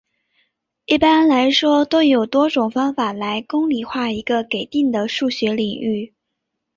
一般来说都有多种方法来公理化一个给定的数学领域。